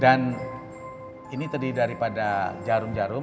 dan ini tadi daripada jarum jarum